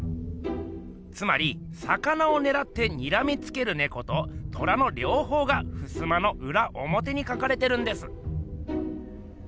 つまり魚をねらってにらみつけるねこと虎のりょうほうがふすまのうらおもてに描かれてるんです。